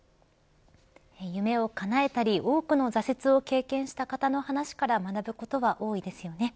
夢をかなえたり多くの挫折を経験した方の話から学ぶことは多いですよね。